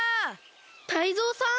タイゾウさん！？